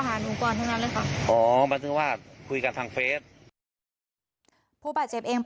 พอไปถึงก็ลงมือตกตีนะคะแล้วก็ใช้กันไกตัดผมอย่างที่เห็นในคลิปค่ะ